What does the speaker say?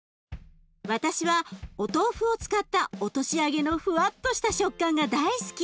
私はお豆腐を使った落とし揚げのフワッとした食感が大好き。